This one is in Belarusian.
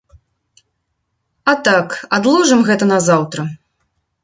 А так, адложым гэта на заўтра!